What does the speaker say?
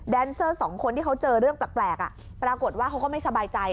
เซอร์สองคนที่เขาเจอเรื่องแปลกปรากฏว่าเขาก็ไม่สบายใจ